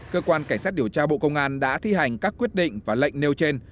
cơ quan cảnh sát điều tra bộ công an đã thi hành các quyết định và lệnh nêu trên